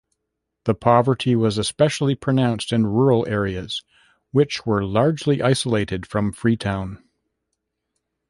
The poverty was especially pronounced in rural areas, which were largely isolated from Freetown.